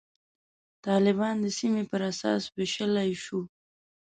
طالبان د سیمې پر اساس ویشلای شو.